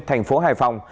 thành phố hải phòng